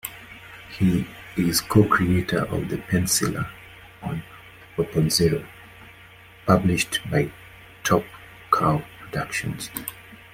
He is co-creator and penciller of "Weapon Zero", published by Top Cow Productions.